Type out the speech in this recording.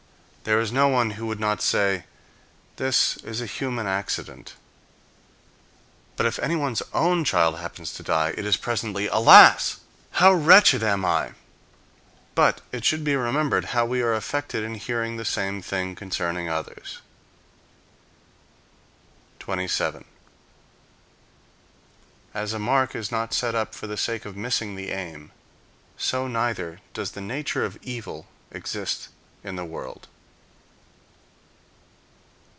There is no one who would not say, "This is a human accident." but if anyone's own child happens to die, it is presently, "Alas I how wretched am I!" But it should be remembered how we are affected in hearing the same thing concerning others. 27. As a mark is not set up for the sake of missing the aim, so neither does the nature of evil exist in the world.